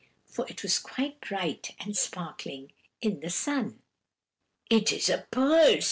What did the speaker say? for it was quite bright and sparkling in the sun. "'It is a purse!'